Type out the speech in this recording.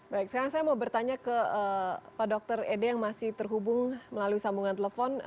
baik sekarang saya mau bertanya ke pak dr ede yang masih terhubung melalui sambungan telepon